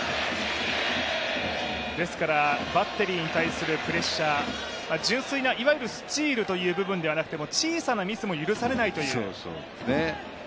バッテリーに対するプレッシャー、純粋ないわゆるスチールという部分ではなくても、小さなミスも許されないという。